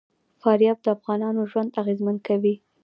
فاریاب د افغانانو ژوند اغېزمن کوي.